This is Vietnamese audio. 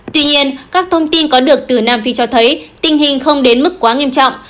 tuy nhiên các thông tin có được từ nam phi cho thấy tình hình không đến mức quá nghiêm trọng